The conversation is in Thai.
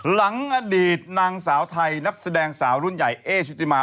หลังอดีตนางสาวไทยนักแสดงสาวรุ่นใหญ่เอ๊ชุติมา